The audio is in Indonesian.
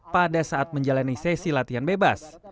pada saat menjalani sesi latihan bebas